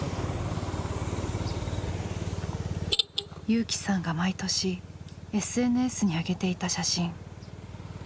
友紀さんが毎年ＳＮＳにあげていた写真。